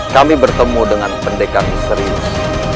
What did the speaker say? kami bertemu dengan pendekar misterius